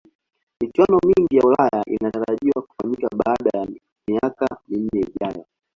michuano mingine ya ulaya inatarajiwa kufanyika baada ya miaka minne ijayo